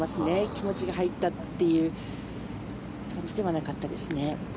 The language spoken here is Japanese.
気持ちが入ったという感じではなかったですね。